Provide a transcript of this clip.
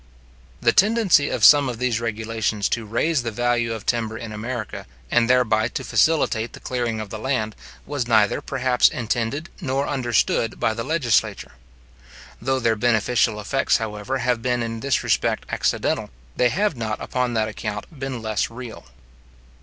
The tendency of some of these regulations to raise the value of timber in America, and thereby to facilitate the clearing of the land, was neither, perhaps, intended nor understood by the legislature. Though their beneficial effects, however, have been in this respect accidental, they have not upon that account been less real.